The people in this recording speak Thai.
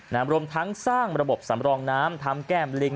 รวมทั้งสร้างระบบสำรองน้ำทำแก้มลิง